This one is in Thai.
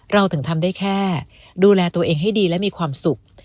เราถึงทำได้แค่ดูแลตัวเองให้ดีและมีความสุข